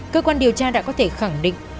cơ quan điều tra đã có thể khẳng định